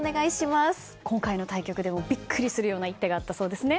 今回の対局でもビックリするような一手があったそうですね。